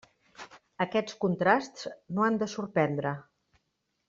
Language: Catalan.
Aquests contrasts no han de sorprendre.